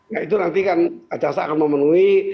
nah itu nanti kan jaksa akan memenuhi